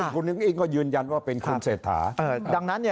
คุณอิ๊งก็ยืนยันว่าเป็นคุณเศรษฐา